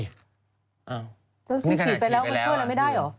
นี่ค่ะฉีดไปแล้วมันเชื่ออะไรไม่ได้เหรอ